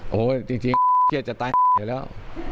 โอ้โหจริงเครียดจะตายเสียแล้ว